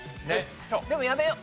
でもやめよう。